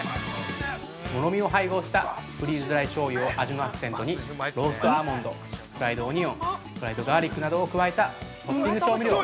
◆もろみを配合したフリーズドライ醤油を味のアクセントにローストアーモンド、フライドオニオン、フライドガーリックなどを加えた、トッピング調味料。